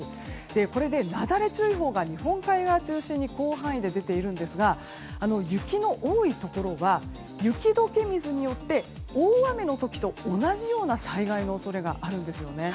これで、なだれ注意報が日本海側中心に広範囲で出ていますが雪の多いところは雪解け水によって大雨の時と同じような災害の恐れがあるんですよね。